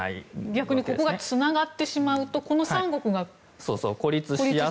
逆にここがつながってしまうとこの３国が孤立してしまう。